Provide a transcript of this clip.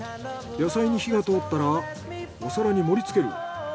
野菜に火が通ったらお皿に盛りつける。